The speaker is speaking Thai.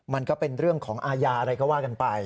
มันก็เป็นเรื่องของอาญาอะไรก็ว่ากันไป